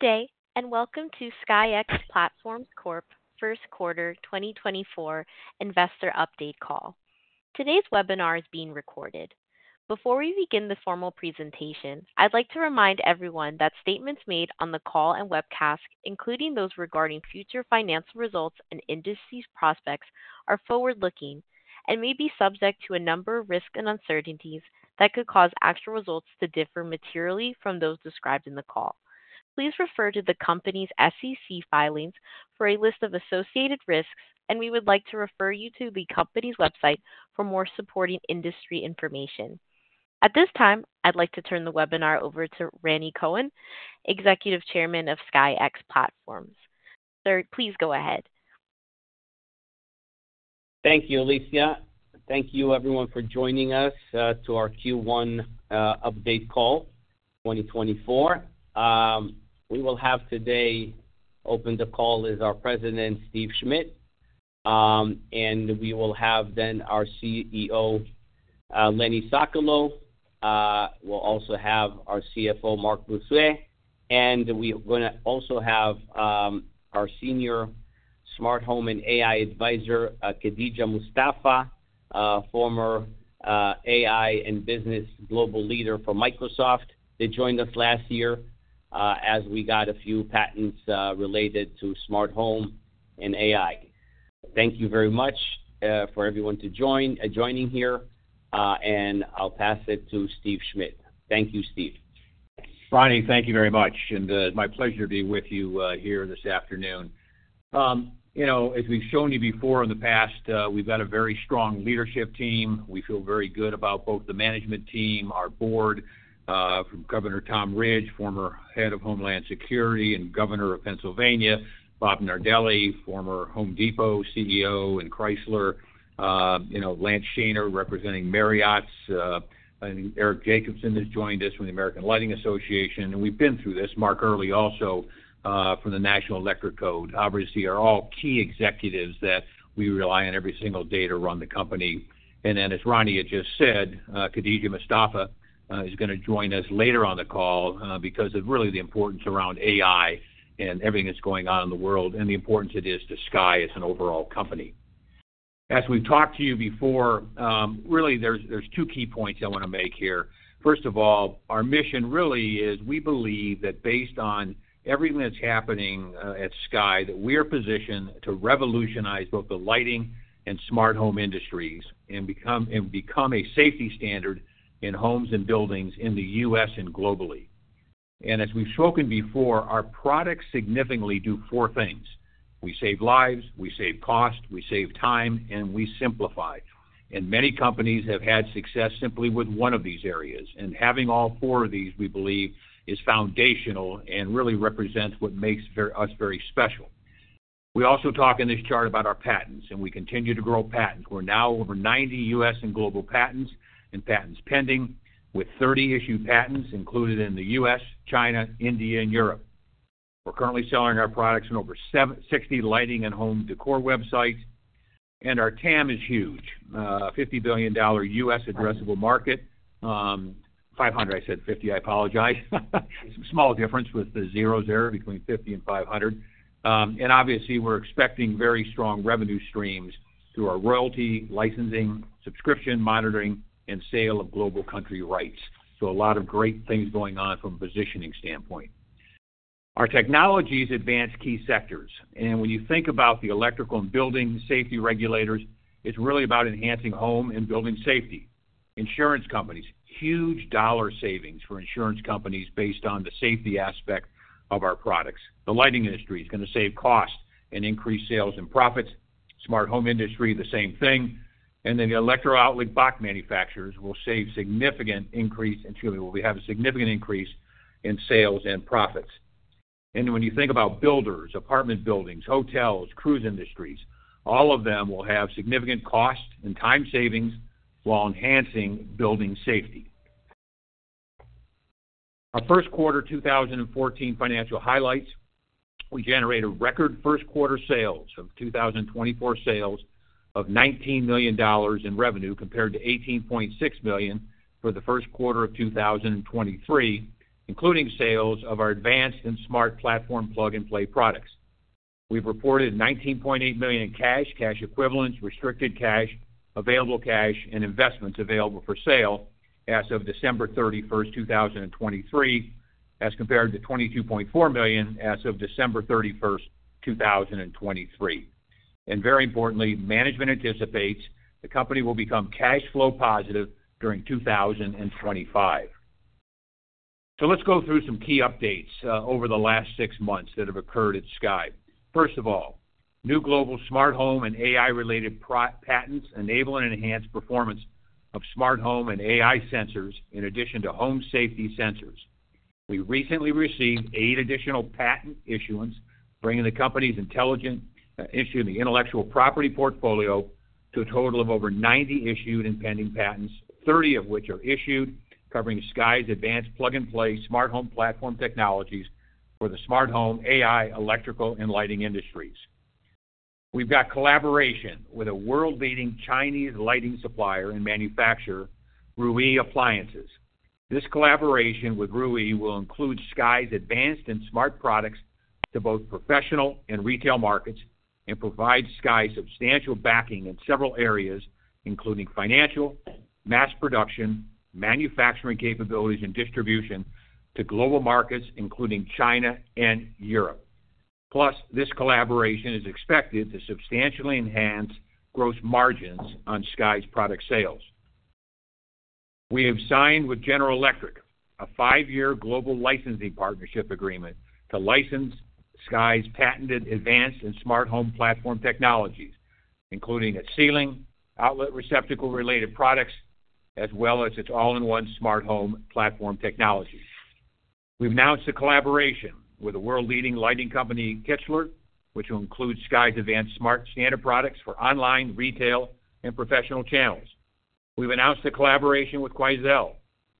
Good day and welcome to SKYX Platforms Corp. first quarter 2024 investor update call. Today's webinar is being recorded. Before we begin the formal presentation, I'd like to remind everyone that statements made on the call and webcast, including those regarding future financial results and business prospects, are forward-looking and may be subject to a number of risks and uncertainties that could cause actual results to differ materially from those described in the call. Please refer to the company's SEC filings for a list of associated risks, and we would like to refer you to the company's website for more supporting industry information. At this time, I'd like to turn the webinar over to Rani Kohen, Executive Chairman of SKYX Platforms. Please go ahead. Thank you, Alicia. Thank you, everyone, for joining us to our Q1 update call 2024. We will have today open the call is our President, Steve Schmidt, and we will have then our CEO, Lenny Sokolow. We'll also have our CFO, Marc-Andre Boisseau, and we're going to also have our Senior Smart Home and AI Advisor, Khadija Mustafa, former AI and business global leader for Microsoft. They joined us last year as we got a few patents related to smart home and AI. Thank you very much for everyone joining here, and I'll pass it to Steve Schmidt. Thank you, Steve. Rani, thank you very much, and it's my pleasure to be with you here this afternoon. As we've shown you before in the past, we've got a very strong leadership team. We feel very good about both the management team, our board from Governor Tom Ridge, former head of Homeland Security and Governor of Pennsylvania, Bob Nardelli, former Home Depot CEO and Chrysler, Lance Shaner representing Marriott, and Eric Jacobson has joined us from the American Lighting Association. We've been through this, Mark Earley also from the National Electrical Code. Obviously, they are all key executives that we rely on every single day to run the company. And then, as Rani had just said, Khadija Mustafa is going to join us later on the call because of really the importance around AI and everything that's going on in the world and the importance it is to SKY as an overall company. As we've talked to you before, really, there's two key points I want to make here. First of all, our mission really is we believe that based on everything that's happening at SKY, that we are positioned to revolutionize both the lighting and smart home industries and become a safety standard in homes and buildings in the U.S. and globally. And as we've spoken before, our products significantly do four things. We save lives, we save cost, we save time, and we simplify. And many companies have had success simply with one of these areas. And having all four of these, we believe, is foundational and really represents what makes us very special. We also talk in this chart about our patents, and we continue to grow patents. We're now over 90 U.S. and global patents and patents pending with 30 issued patents included in the U.S., China, India, and Europe. We're currently selling our products in over 60 lighting and home decor websites. And our TAM is huge, $50 billion U.S. addressable market. 500, I said 50. I apologize. Small difference with the zeros there between 50 and 500. And obviously, we're expecting very strong revenue streams through our royalty, licensing, subscription, monitoring, and sale of global country rights. So a lot of great things going on from a positioning standpoint. Our technology is advanced key sectors. When you think about the electrical and building safety regulators, it's really about enhancing home and building safety. Insurance companies, huge dollar savings for insurance companies based on the safety aspect of our products. The lighting industry is going to save cost and increase sales and profits. Smart home industry, the same thing. And then the electro outlet box manufacturers will save significant increase and excuse me, will have a significant increase in sales and profits. And when you think about builders, apartment buildings, hotels, cruise industries, all of them will have significant cost and time savings while enhancing building safety. Our first quarter 2024 financial highlights. We generated record first quarter sales of 2024 sales of $19 million in revenue compared to $18.6 million for the first quarter of 2023, including sales of our advanced and smart platform plug-and-play products. We've reported $19.8 million in cash, cash equivalents, restricted cash, available cash, and investments available for sale as of December 31st, 2023, as compared to $22.4 million as of December 31st, 2023. Very importantly, management anticipates the company will become cash flow positive during 2025. Let's go through some key updates over the last six months that have occurred at SKYX. First of all, new global smart home and AI-related patents enable and enhance performance of smart home and AI sensors in addition to home safety sensors. We recently received eight additional patent issuance, bringing the company's intellectual property portfolio to a total of over 90 issued and pending patents, 30 of which are issued, covering SKYX's advanced plug-and-play smart home platform technologies for the smart home, AI, electrical, and lighting industries. We've got collaboration with a world-leading Chinese lighting supplier and manufacturer, Ruee Appliances. This collaboration with Ruee will include SKYX's advanced and smart products to both professional and retail markets and provide SKYX substantial backing in several areas, including financial, mass production, manufacturing capabilities, and distribution to global markets, including China and Europe. Plus, this collaboration is expected to substantially enhance gross margins on SKYX's product sales. We have signed with General Electric a five-year global licensing partnership agreement to license SKYX's patented advanced and smart home platform technologies, including its ceiling, outlet receptacle-related products, as well as its all-in-one smart home platform technology. We've announced a collaboration with a world-leading lighting company, Kichler, which will include SKYX's advanced smart standard products for online, retail, and professional channels. We've announced a collaboration with Quoizel,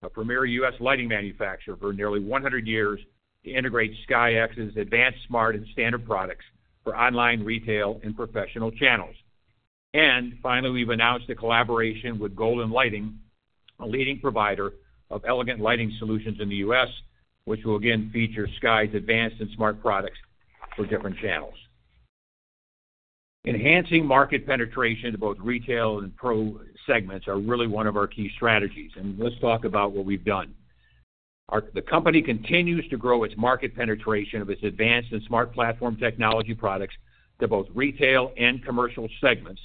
a premier U.S. lighting manufacturer for nearly 100 years, to integrate SKYX's advanced smart and standard products for online, retail, and professional channels. Finally, we've announced a collaboration with Golden Lighting, a leading provider of elegant lighting solutions in the U.S., which will again feature SKYX's advanced and smart products for different channels. Enhancing market penetration to both retail and pro segments are really one of our key strategies. Let's talk about what we've done. The company continues to grow its market penetration of its advanced and smart platform technology products to both retail and commercial segments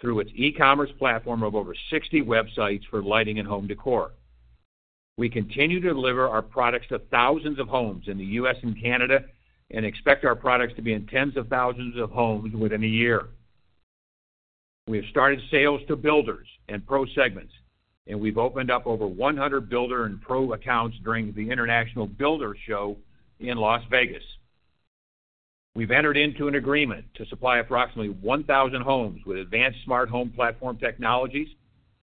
through its e-commerce platform of over 60 websites for lighting and home decor. We continue to deliver our products to thousands of homes in the U.S. and Canada and expect our products to be in tens of thousands of homes within a year. We have started sales to builders and pro segments, and we've opened up over 100 builder and pro accounts during the International Builders' Show in Las Vegas. We've entered into an agreement to supply approximately 1,000 homes with advanced smart home platform technologies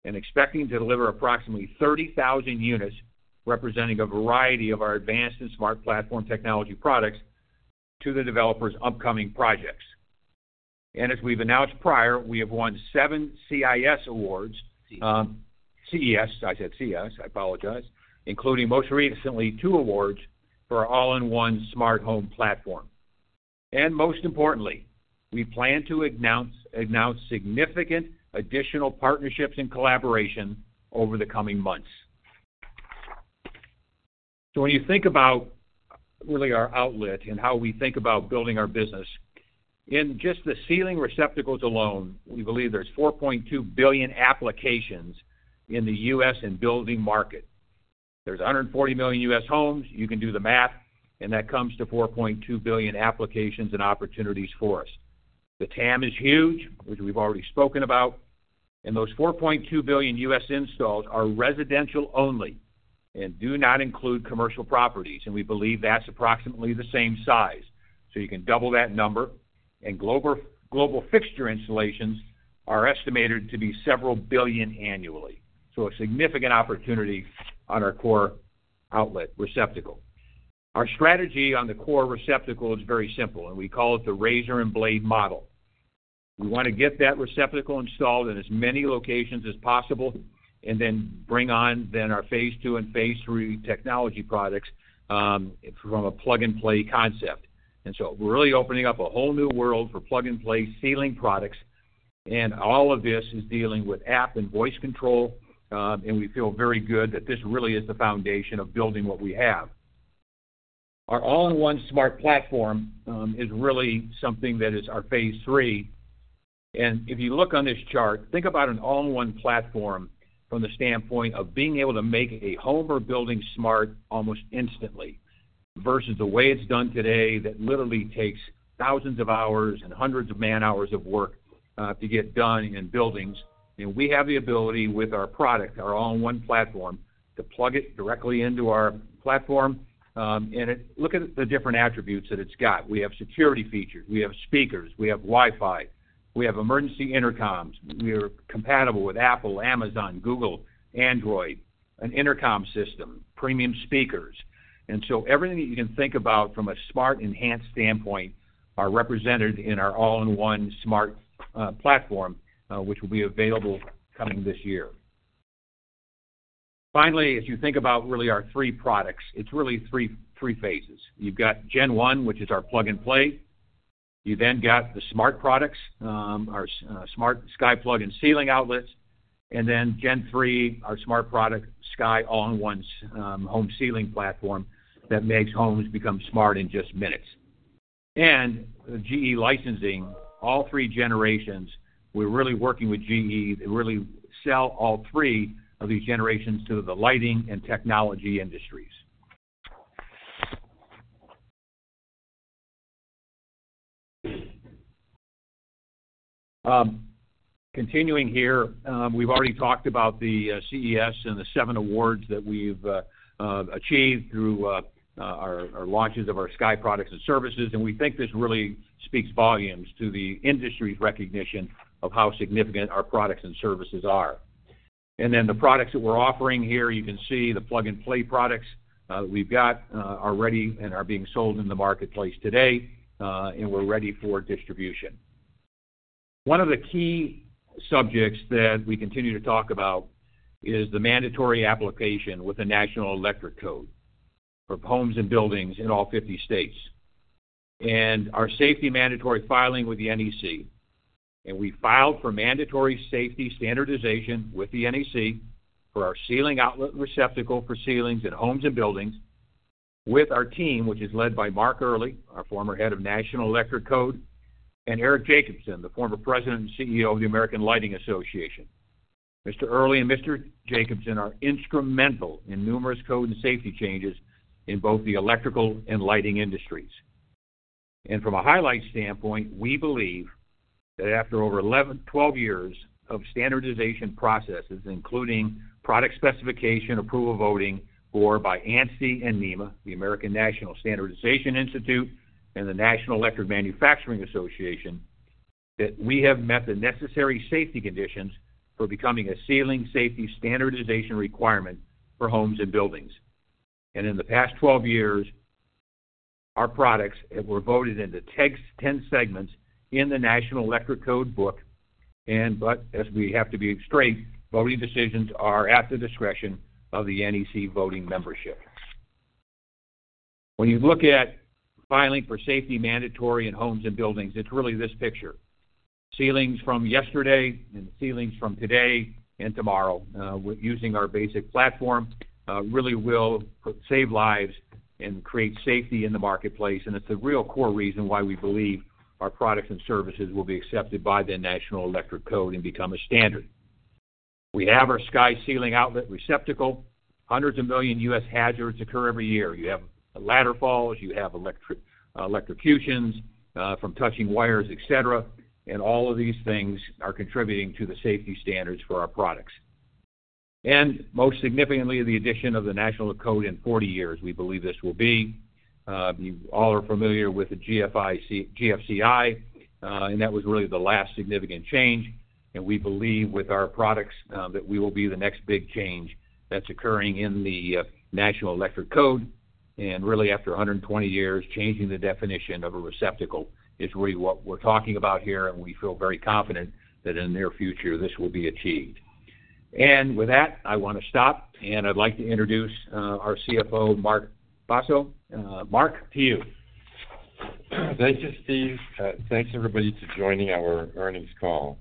and expecting to deliver approximately 30,000 units representing a variety of our advanced and smart platform technology products to the developers' upcoming projects. As we've announced prior, we have won seven CES awards, CES. I said CES. I apologize, including most recently two awards for our all-in-one smart home platform. Most importantly, we plan to announce significant additional partnerships and collaborations over the coming months. When you think about really our outlet and how we think about building our business, in just the ceiling receptacles alone, we believe there's 4.2 billion applications in the U.S. and building market. There's 140 million U.S. homes. You can do the math, and that comes to 4.2 billion applications and opportunities for us. The TAM is huge, which we've already spoken about. Those 4.2 billion U.S. installs are residential only and do not include commercial properties. We believe that's approximately the same size. You can double that number. Global fixture installations are estimated to be several billion annually, so a significant opportunity on our core outlet receptacle. Our strategy on the core receptacle is very simple, and we call it the razor and blade model. We want to get that receptacle installed in as many locations as possible and then bring on then our phase II and phase III technology products from a plug-and-play concept. We're really opening up a whole new world for plug-and-play ceiling products. All of this is dealing with app and voice control, and we feel very good that this really is the foundation of building what we have. Our all-in-one smart platform is really something that is our phase III. And if you look on this chart, think about an all-in-one platform from the standpoint of being able to make a home or building smart almost instantly versus the way it's done today that literally takes thousands of hours and hundreds of man-hours of work to get done in buildings. And we have the ability with our product, our all-in-one platform, to plug it directly into our platform. And look at the different attributes that it's got. We have security features. We have speakers. We have Wi-Fi. We have emergency intercoms. We are compatible with Apple, Amazon, Google, Android, an intercom system, premium speakers. And so everything that you can think about from a smart enhanced standpoint are represented in our all-in-one smart platform, which will be available coming this year. Finally, as you think about really our three products, it's really three phases. You've got Gen One, which is our plug-and-play. You then got the smart products, our smart SKY Plug and Ceiling outlets. And then Gen-3, our smart product, SKY All-in-One Home Ceiling Platform that makes homes become smart in just minutes. And the GE licensing, all three generations, we're really working with GE. They really sell all three of these generations to the lighting and technology industries. Continuing here, we've already talked about the CES and the seven awards that we've achieved through our launches of our SKY products and services. And we think this really speaks volumes to the industry's recognition of how significant our products and services are. And then the products that we're offering here, you can see the plug-and-play products that we've got are ready and are being sold in the marketplace today, and we're ready for distribution. One of the key subjects that we continue to talk about is the mandatory application with the National Electrical Code for homes and buildings in all 50 states and our safety mandatory filing with the NEC. We filed for mandatory safety standardization with the NEC for our ceiling outlet receptacle for ceilings and homes and buildings with our team, which is led by Mark Earley, our former head of National Electrical Code, and Eric Jacobson, the former President and CEO of the American Lighting Association. Mr. Earley and Mr. Jacobson are instrumental in numerous code and safety changes in both the electrical and lighting industries. From a highlight standpoint, we believe that after over 11, 12 years of standardization processes, including product specification, approval voting by ANSI and NEMA, the American National Standards Institute, and the National Electrical Manufacturers Association, that we have met the necessary safety conditions for becoming a ceiling safety standardization requirement for homes and buildings. In the past 12 years, our products were voted into 10 segments in the National Electrical Code book. But as we have to be straight, voting decisions are at the discretion of the NEC voting membership. When you look at filing for safety mandatory in homes and buildings, it's really this picture. Ceilings from yesterday and ceilings from today and tomorrow using our basic platform really will save lives and create safety in the marketplace. It's the real core reason why we believe our products and services will be accepted by the National Electrical Code and become a standard. We have our SKY Ceiling Outlet Receptacle. Hundreds of millions of U.S. hazards occur every year. You have ladder falls. You have electrocutions from touching wires, etc. All of these things are contributing to the safety standards for our products. Most significantly, the addition to the National Electrical Code in 40 years, we believe this will be. You all are familiar with the GFCI, and that was really the last significant change. We believe with our products that we will be the next big change that's occurring in the National Electrical Code. Really, after 120 years, changing the definition of a receptacle is really what we're talking about here. We feel very confident that in the near future, this will be achieved. With that, I want to stop. I'd like to introduce our CFO, Marc-Andre Boisseau. Mark, to you. Thank you, Steve. Thanks, everybody, for joining our earnings call.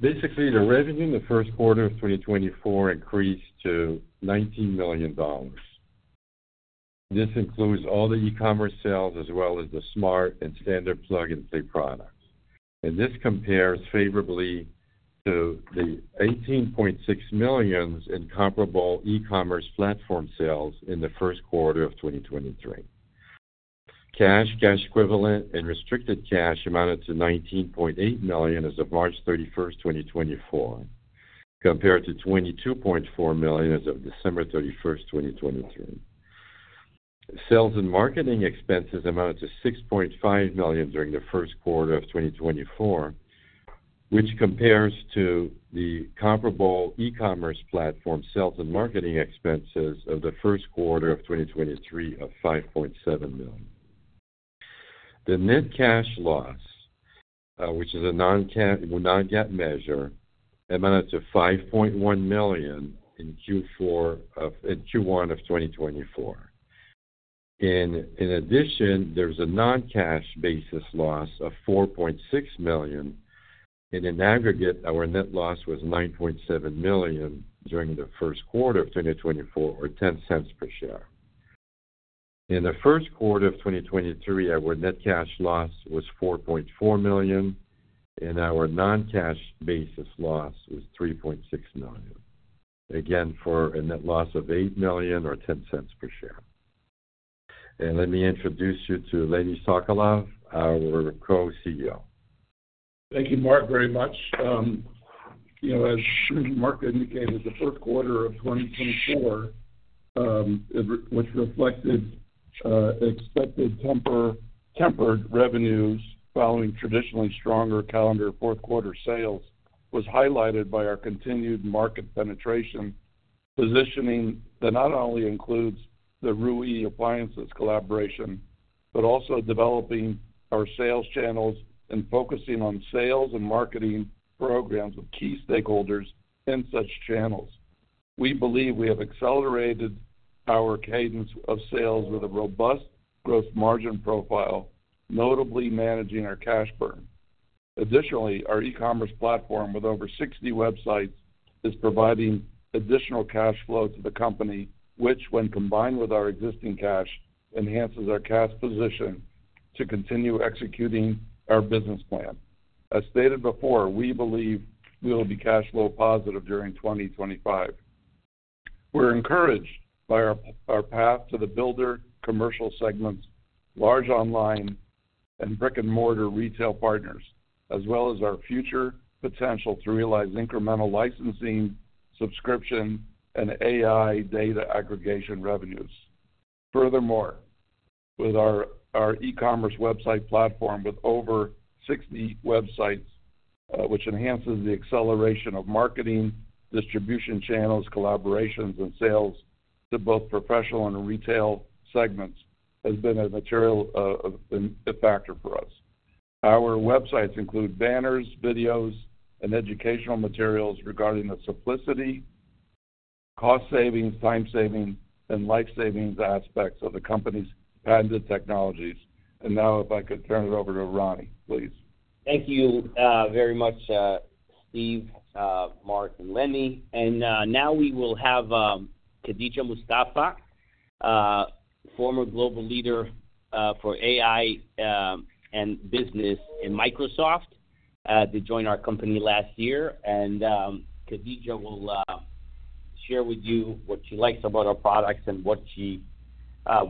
Basically, the revenue in the first quarter of 2024 increased to $19 million. This includes all the e-commerce sales as well as the smart and standard plug-and-play products. This compares favorably to the $18.6 million in comparable e-commerce platform sales in the first quarter of 2023. Cash, cash equivalent, and restricted cash amounted to $19.8 million as of March 31st, 2024, compared to $22.4 million as of December 31st, 2023. Sales and marketing expenses amounted to $6.5 million during the first quarter of 2024, which compares to the comparable e-commerce platform sales and marketing expenses of the first quarter of 2023 of $5.7 million. The net cash loss, which is a non-cash it will not get measured, amounted to $5.1 million in Q1 of 2024. In addition, there's a non-cash basis loss of $4.6 million. In an aggregate, our net loss was $9.7 million during the first quarter of 2024, or $0.10 per share. In the first quarter of 2023, our net cash loss was $4.4 million, and our non-cash basis loss was $3.6 million, again for a net loss of $8 million or $0.10 per share. Let me introduce you to Lenny Sokolow, our Co-CEO. Thank you, Mark, very much. As Mark indicated, the first quarter of 2024, which reflected expected tempered revenues following traditionally stronger calendar fourth-quarter sales, was highlighted by our continued market penetration positioning that not only includes the Ruee Appliances collaboration but also developing our sales channels and focusing on sales and marketing programs with key stakeholders in such channels. We believe we have accelerated our cadence of sales with a robust gross margin profile, notably managing our cash burn. Additionally, our e-commerce platform with over 60 websites is providing additional cash flow to the company, which, when combined with our existing cash, enhances our cash position to continue executing our business plan. As stated before, we believe we will be cash flow positive during 2025. We're encouraged by our path to the builder commercial segments, large online and brick-and-mortar retail partners, as well as our future potential to realize incremental licensing, subscription, and AI data aggregation revenues. Furthermore, with our e-commerce website platform with over 60 websites, which enhances the acceleration of marketing, distribution channels, collaborations, and sales to both professional and retail segments, has been a material factor for us. Our websites include banners, videos, and educational materials regarding the simplicity, cost savings, time savings, and life savings aspects of the company's patented technologies. And now, if I could turn it over to Rani, please. Thank you very much, Steve, Mark, and Lenny. Now we will have Khadija Mustafa, former global leader for AI and business in Microsoft, to join our company last year. Khadija will share with you what she likes about our products and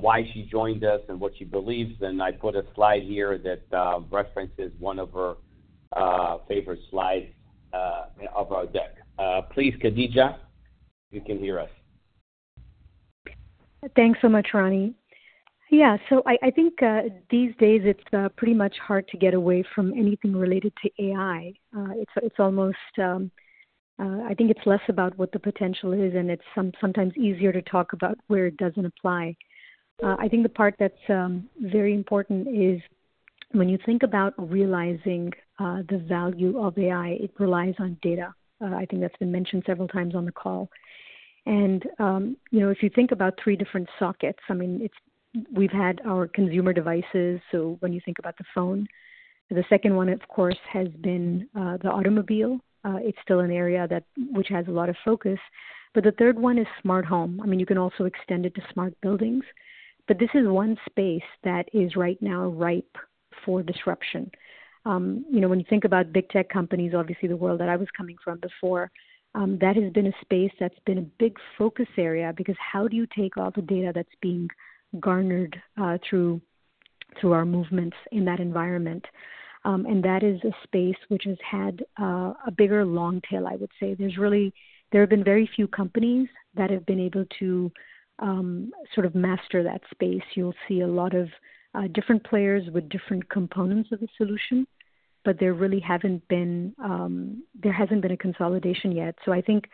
why she joined us and what she believes. I put a slide here that references one of her favorite slides of our deck. Please, Khadija, you can hear us. Thanks so much, Rani. Yeah, so I think these days, it's pretty much hard to get away from anything related to AI. I think it's less about what the potential is, and it's sometimes easier to talk about where it doesn't apply. I think the part that's very important is when you think about realizing the value of AI, it relies on data. I think that's been mentioned several times on the call. And if you think about three different sockets, I mean, we've had our consumer devices. So when you think about the phone, the second one, of course, has been the automobile. It's still an area which has a lot of focus. But the third one is smart home. I mean, you can also extend it to smart buildings. But this is one space that is right now ripe for disruption. When you think about big tech companies, obviously, the world that I was coming from before, that has been a space that's been a big focus area because how do you take all the data that's being garnered through our movements in that environment? That is a space which has had a bigger long tail, I would say. There have been very few companies that have been able to sort of master that space. You'll see a lot of different players with different components of the solution, but there really hasn't been a consolidation yet. So I think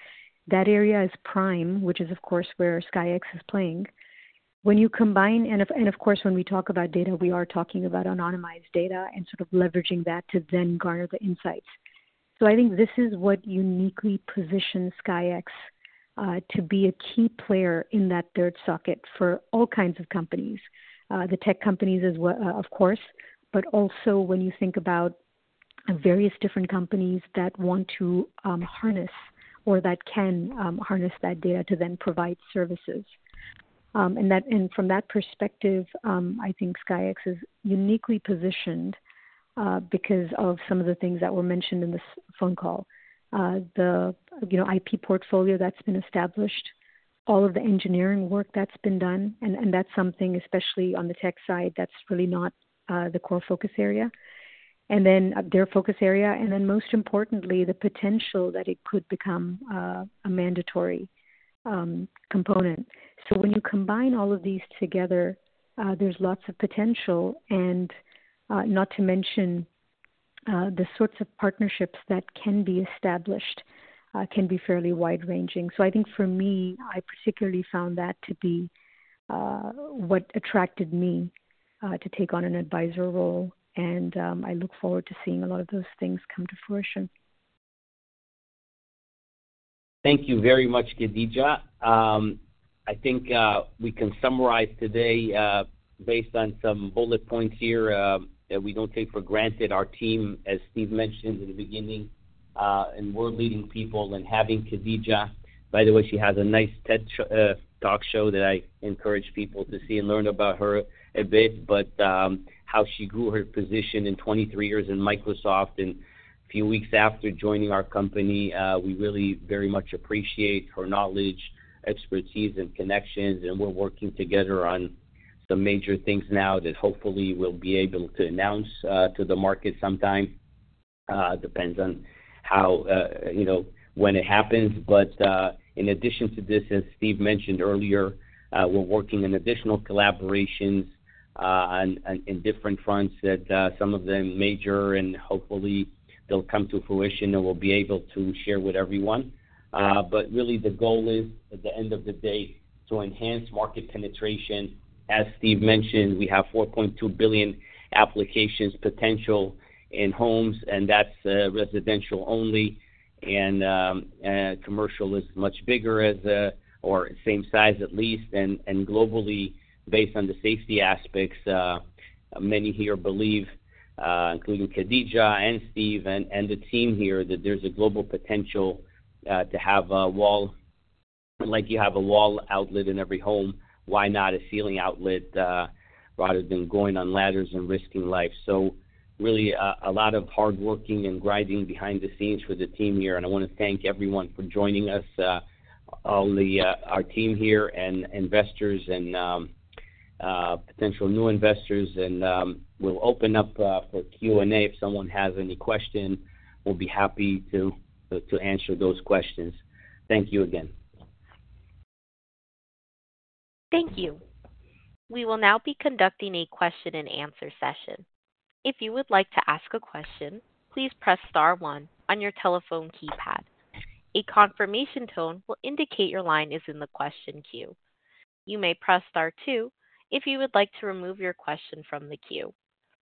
that area is prime, which is, of course, where SKYX is playing. When you combine and of course, when we talk about data, we are talking about anonymized data and sort of leveraging that to then garner the insights. So I think this is what uniquely positions SKYX to be a key player in that third socket for all kinds of companies, the tech companies, of course, but also when you think about various different companies that want to harness or that can harness that data to then provide services. And from that perspective, I think SKYX is uniquely positioned because of some of the things that were mentioned in this phone call, the IP portfolio that's been established, all of the engineering work that's been done. And that's something, especially on the tech side, that's really not the core focus area and then their focus area, and then most importantly, the potential that it could become a mandatory component. So when you combine all of these together, there's lots of potential, and not to mention the sorts of partnerships that can be established can be fairly wide-ranging. So I think for me, I particularly found that to be what attracted me to take on an advisor role. And I look forward to seeing a lot of those things come to fruition. Thank you very much, Khadija. I think we can summarize today based on some bullet points here that we don't take for granted. Our team, as Steve mentioned in the beginning, and we're leading people and having Khadija by the way, she has a nice TED talk show that I encourage people to see and learn about her a bit, but how she grew her position in 23 years in Microsoft. And a few weeks after joining our company, we really very much appreciate her knowledge, expertise, and connections. And we're working together on some major things now that hopefully we'll be able to announce to the market sometime. Depends on when it happens. But in addition to this, as Steve mentioned earlier, we're working on additional collaborations in different fronts, some of them major, and hopefully, they'll come to fruition and we'll be able to share with everyone. But really, the goal is, at the end of the day, to enhance market penetration. As Steve mentioned, we have 4.2 billion applications potential in homes, and that's residential only. And commercial is much bigger or same size, at least. And globally, based on the safety aspects, many here believe, including Khadija and Steve and the team here, that there's a global potential to have a wall like you have a wall outlet in every home, why not a ceiling outlet rather than going on ladders and risking life? So really, a lot of hard working and grinding behind the scenes for the team here. And I want to thank everyone for joining us, our team here and investors and potential new investors. And we'll open up for Q&A. If someone has any question, we'll be happy to answer those questions. Thank you again. Thank you. We will now be conducting a question-and-answer session. If you would like to ask a question, please press star one on your telephone keypad. A confirmation tone will indicate your line is in the question queue. You may press star two if you would like to remove your question from the queue.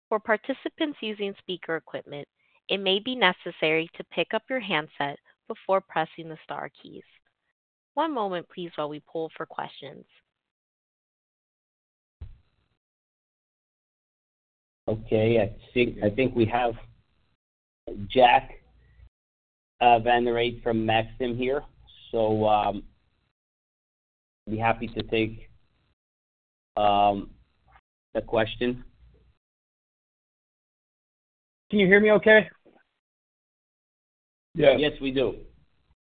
For participants using speaker equipment, it may be necessary to pick up your handset before pressing the star keys. One moment, please, while we pull for questions. Okay. I think we have Jack Vander Aarde from Maxim here. I'd be happy to take the question. Can you hear me okay? Yes. Yes, we do.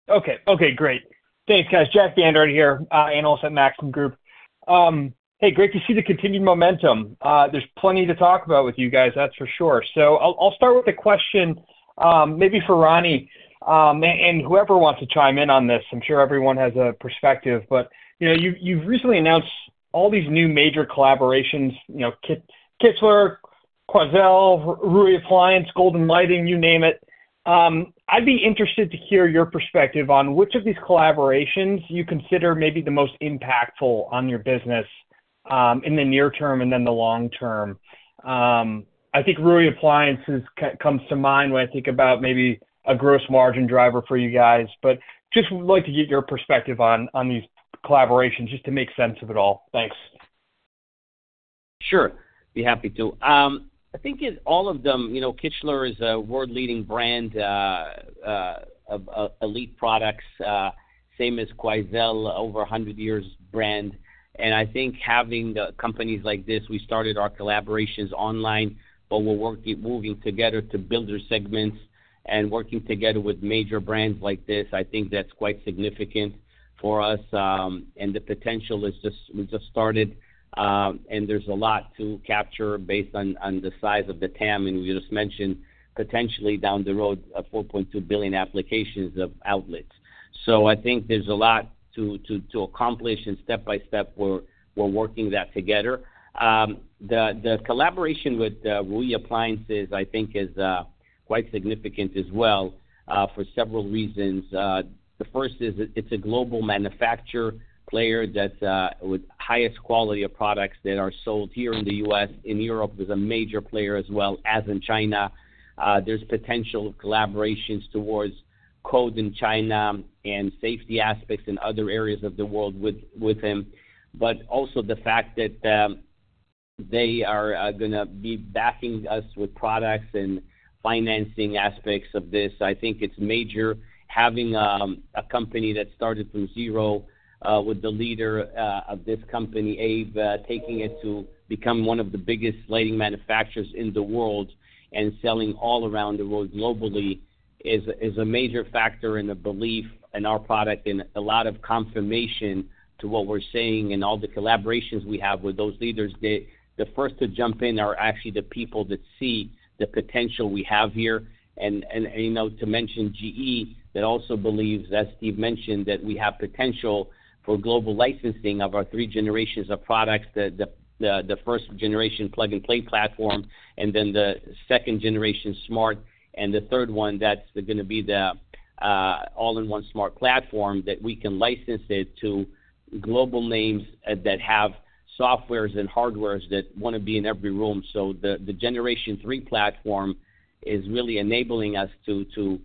Okay. Okay. Great. Thanks, guys. Jack Vander Aarde here, analyst at Maxim Group. Hey, great to see the continued momentum. There's plenty to talk about with you guys, that's for sure. So I'll start with a question maybe for Rani and whoever wants to chime in on this. I'm sure everyone has a perspective. But you've recently announced all these new major collaborations, Kichler, Quoizel, Ruee Appliance, Golden Lighting, you name it. I'd be interested to hear your perspective on which of these collaborations you consider maybe the most impactful on your business in the near term and then the long term. I think Ruee Appliances comes to mind when I think about maybe a gross margin driver for you guys, but just would like to get your perspective on these collaborations just to make sense of it all. Thanks. Sure. Be happy to. I think in all of them, Kichler is a world-leading brand of elite products, same as Quoizel, over 100 years brand. I think having companies like this we started our collaborations online, but we're moving together to build our segments. Working together with major brands like this, I think that's quite significant for us. The potential is just we just started, and there's a lot to capture based on the size of the TAM. We just mentioned, potentially down the road, 4.2 billion applications of outlets. So I think there's a lot to accomplish, and step by step, we're working that together. The collaboration with Ruee Appliances, I think, is quite significant as well for several reasons. The first is it's a global manufacturer player with the highest quality of products that are sold here in the U.S. In Europe, there's a major player as well as in China. There's potential collaborations towards code in China and safety aspects in other areas of the world with them. But also the fact that they are going to be backing us with products and financing aspects of this. I think it's major having a company that started from zero with the leader of this company, Rui, taking it to become one of the biggest lighting manufacturers in the world and selling all around the world globally is a major factor in the belief in our product and a lot of confirmation to what we're saying and all the collaborations we have with those leaders. The first to jump in are actually the people that see the potential we have here. To mention GE that also believes, as Steve mentioned, that we have potential for global licensing of our three generations of products, the first generation plug-and-play platform and then the second generation smart. The third one, that's going to be the all-in-one smart platform that we can license it to global names that have softwares and hardwares that want to be in every room. So the generation three platform is really enabling us to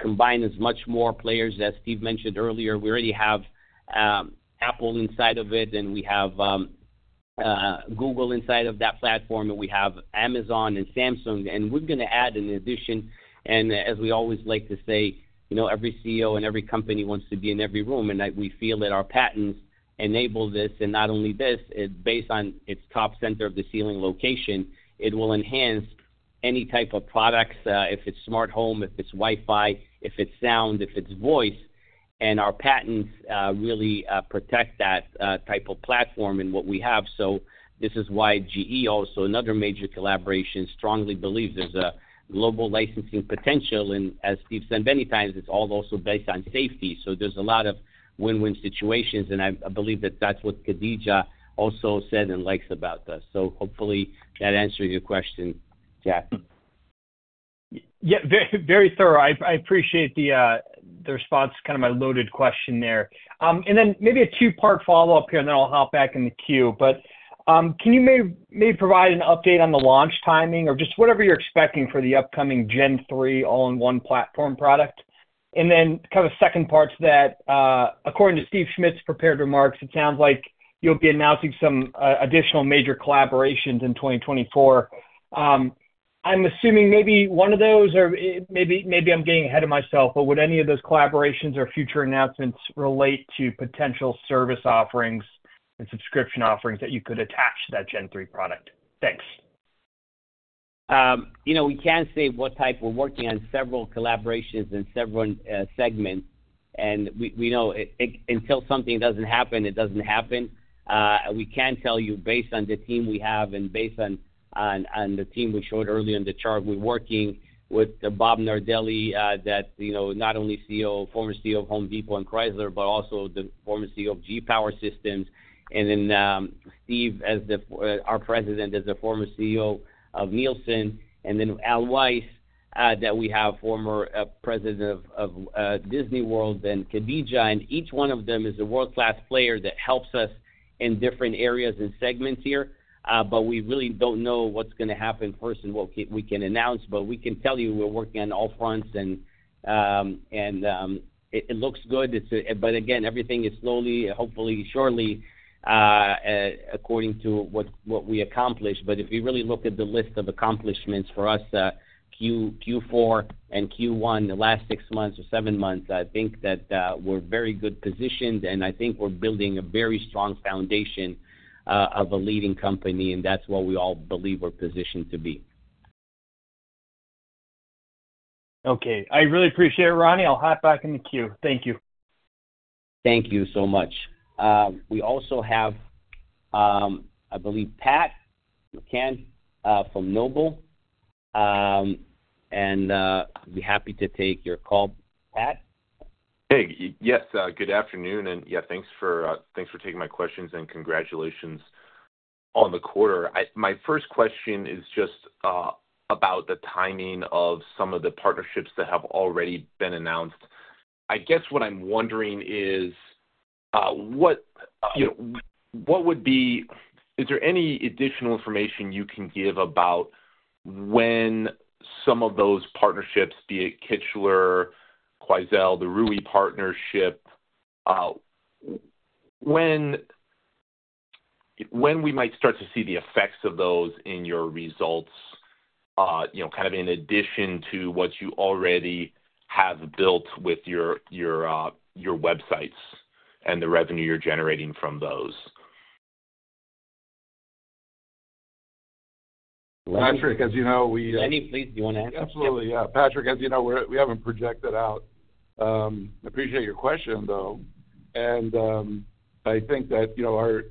combine as much more players. As Steve mentioned earlier, we already have Apple inside of it, and we have Google inside of that platform, and we have Amazon and Samsung. We're going to add in addition and as we always like to say, every CEO and every company wants to be in every room. We feel that our patents enable this. And not only this, based on its top center of the ceiling location, it will enhance any type of products, if it's smart home, if it's Wi-Fi, if it's sound, if it's voice. And our patents really protect that type of platform and what we have. So this is why GE, also another major collaboration, strongly believes there's a global licensing potential. And as Steve said many times, it's all also based on safety. So there's a lot of win-win situations. And I believe that that's what Khadija also said and likes about us. So hopefully, that answers your question, Jack. Yeah, very thorough. I appreciate the response, kind of my loaded question there. And then maybe a two-part follow-up here, and then I'll hop back in the queue. But can you maybe provide an update on the launch timing or just whatever you're expecting for the upcoming Gen-3 all-in-one platform product? And then kind of second part to that, according to Steve Schmidt's prepared remarks, it sounds like you'll be announcing some additional major collaborations in 2024. I'm assuming maybe one of those or maybe I'm getting ahead of myself, but would any of those collaborations or future announcements relate to potential service offerings and subscription offerings that you could attach to that Gen-3 product? Thanks. We can't say what type. We're working on several collaborations and several segments. We know until something doesn't happen, it doesn't happen. We can tell you based on the team we have and based on the team we showed earlier in the chart, we're working with Bob Nardelli, not only former CEO of Home Depot and Chrysler, but also the former CEO of GE Power Systems. Then Steve, our president, is the former CEO of Nielsen. Then Al Weiss, that we have, former president of Disney World, then Khadija. And each one of them is a world-class player that helps us in different areas and segments here. We really don't know what's going to happen first and what we can announce. We can tell you we're working on all fronts, and it looks good. But again, everything is slowly, hopefully, surely, according to what we accomplish. But if you really look at the list of accomplishments for us, Q4 and Q1, the last six months or seven months, I think that we're very good positioned. And I think we're building a very strong foundation of a leading company, and that's what we all believe we're positioned to be. Okay. I really appreciate it, Rani. I'll hop back in the queue. Thank you. Thank you so much. We also have, I believe, Pat McCann from Noble. And I'd be happy to take your call, Pat. Hey. Yes. Good afternoon. And yeah, thanks for taking my questions and congratulations on the quarter. My first question is just about the timing of some of the partnerships that have already been announced. I guess what I'm wondering is what would be is there any additional information you can give about when some of those partnerships, be it Kichler, Quoizel, the Rui partnership, when we might start to see the effects of those in your results, kind of in addition to what you already have built with your websites and the revenue you're generating from those? Patrick, as you know, we. Lenny, please, do you want to answer? Absolutely. Yeah. Patrick, as you know, we haven't projected out. Appreciate your question, though. And I think that our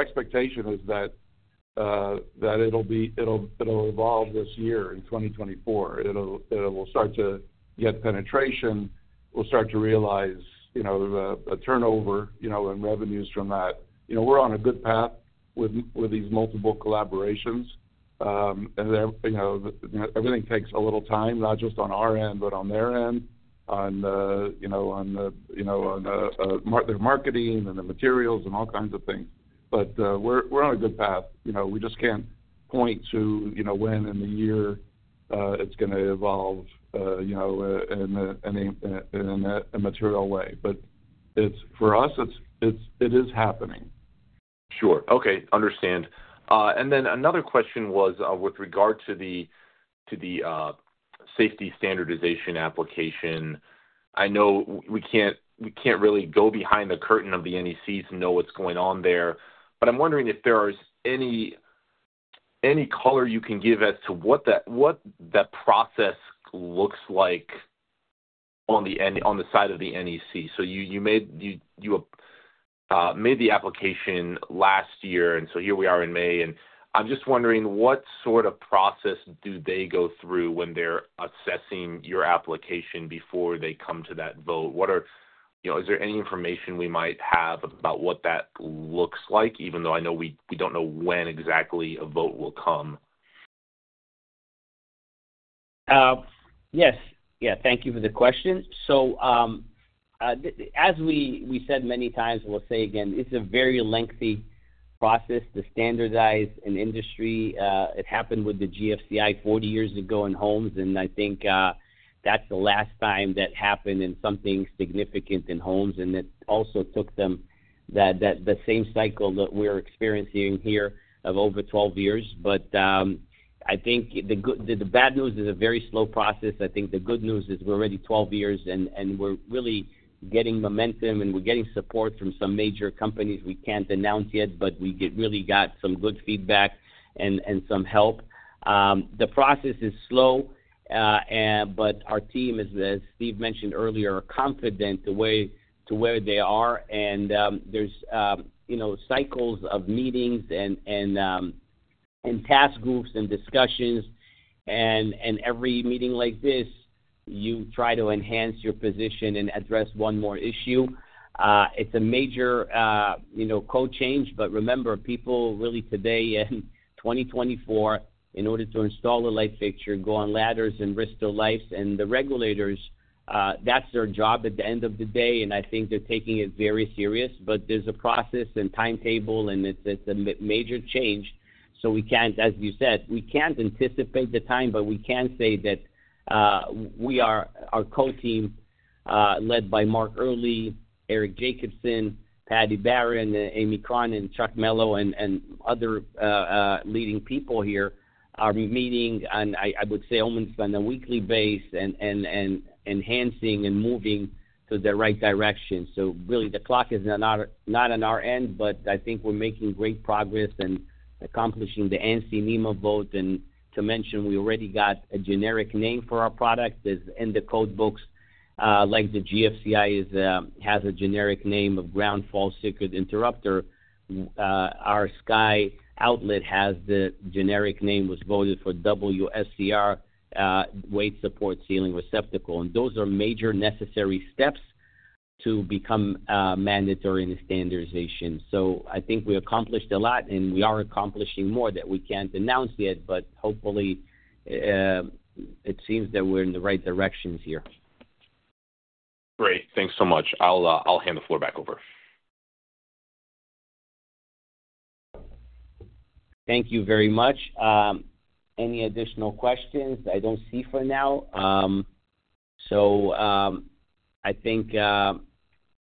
expectation is that it'll evolve this year in 2024. It will start to get penetration. We'll start to realize a turnover and revenues from that. We're on a good path with these multiple collaborations. And everything takes a little time, not just on our end, but on their end, on their marketing and the materials and all kinds of things. But we're on a good path. We just can't point to when in the year it's going to evolve in a material way. But for us, it is happening. Sure. Okay. Understand. And then another question was with regard to the safety standardization application. I know we can't really go behind the curtain of the NEC's and know what's going on there. But I'm wondering if there is any color you can give as to what that process looks like on the side of the NEC. So you made the application last year, and so here we are in May. And I'm just wondering, what sort of process do they go through when they're assessing your application before they come to that vote? Is there any information we might have about what that looks like, even though I know we don't know when exactly a vote will come? Yes. Yeah. Thank you for the question. So as we said many times, we'll say again, it's a very lengthy process to standardize an industry. It happened with the GFCI 40 years ago in homes, and I think that's the last time that happened in something significant in homes. And it also took them the same cycle that we're experiencing here of over 12 years. But I think the bad news is a very slow process. I think the good news is we're already 12 years, and we're really getting momentum, and we're getting support from some major companies we can't announce yet, but we really got some good feedback and some help. The process is slow, but our team is, as Steve mentioned earlier, confident to where they are. And there's cycles of meetings and task groups and discussions. Every meeting like this, you try to enhance your position and address one more issue. It's a major code change. But remember, people really today in 2024, in order to install a light fixture, go on ladders and risk their lives. And the regulators, that's their job at the end of the day. And I think they're taking it very serious. But there's a process and timetable, and it's a major change. So as you said, we can't anticipate the time, but we can say that our code team led by Mark Earley, Eric Jacobson, Patty Barron, Amy Cronin, Chuck Mello, and other leading people here are meeting, and I would say almost on a weekly basis, and enhancing and moving to the right direction. So really, the clock is not on our end, but I think we're making great progress and accomplishing the ANSI NEMA vote. To mention, we already got a generic name for our product. In the code books, the GFCI has a generic name of Ground Fault Circuit Interrupter. Our SKY outlet has the generic name was voted for WSCR Weight-Supporting Ceiling Receptacle. Those are major necessary steps to become mandatory in the standardization. I think we accomplished a lot, and we are accomplishing more that we can't announce yet. Hopefully, it seems that we're in the right directions here. Great. Thanks so much. I'll hand the floor back over. Thank you very much. Any additional questions? I don't see for now. So I think,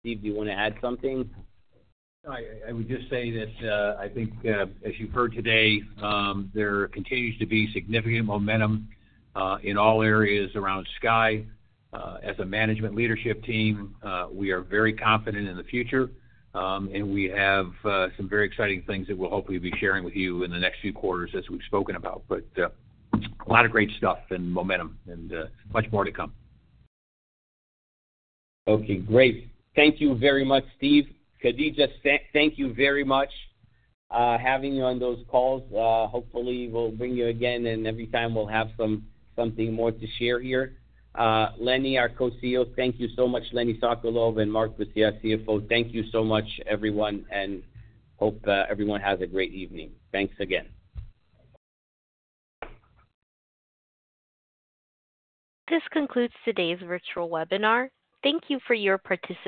Steve, do you want to add something? I would just say that I think, as you've heard today, there continues to be significant momentum in all areas around SKYX. As a management leadership team, we are very confident in the future, and we have some very exciting things that we'll hopefully be sharing with you in the next few quarters as we've spoken about. But a lot of great stuff and momentum and much more to come. Okay. Great. Thank you very much, Steve. Khadija, thank you very much having you on those calls. Hopefully, we'll bring you again, and every time we'll have something more to share here. Lenny, our Co-CEO, thank you so much. Lenny Sokolow and Marc-Andre Boisseau, CFO, thank you so much, everyone. Hope everyone has a great evening. Thanks again. This concludes today's virtual webinar. Thank you for your participation.